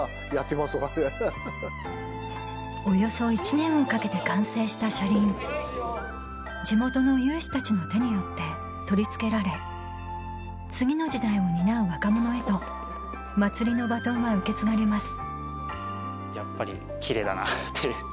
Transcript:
およそ１年をかけて完成した車輪地元の有志たちの手によって取り付けられ次の時代を担う若者へとまつりのバトンは受け継がれます